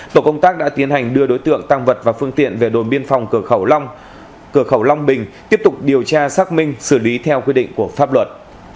tổ công tác đã tiến hành đưa đối tượng tăng vật và phương tiện về đồn biên phòng cửa khẩu long bình tiếp tục điều tra xác minh xử lý theo quy định của pháp luật